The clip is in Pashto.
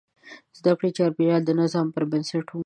د زده کړې چاپېریال د نظم پر بنسټ و.